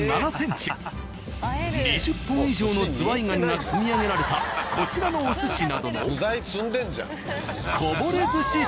２０本以上のズワイガニが積み上げられたこちらのお寿司などのすごっ！